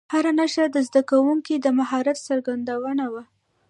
هره نښه د زده کوونکو د مهارت څرګندونه وه.